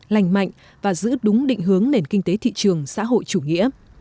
lành mạnh và giữ đúng định hướng nền kinh tế thị trường xã hội chủ nghĩa